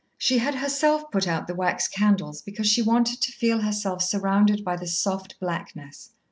She had herself put out the wax candles, because she wanted to feel herself surrounded by the soft blackness.